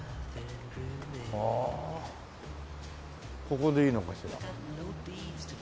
ああここでいいのかしら。